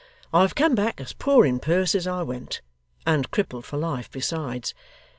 I have come back as poor in purse as I went, and crippled for life besides.